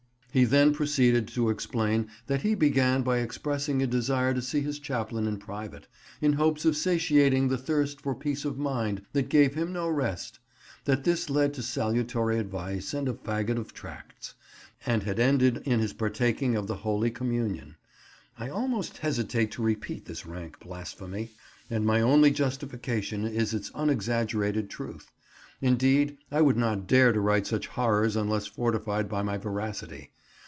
He then proceeded to explain that he began by expressing a desire to see his chaplain in private, in hopes of satiating the thirst for peace of mind that gave him no rest; that this led to salutary advice and a fagot of tracts, and had ended in his partaking of the Holy Communion—I almost hesitate to repeat this rank blasphemy, and my only justification is its unexaggerated truth; indeed, I would not dare to write such horrors unless fortified by my veracity.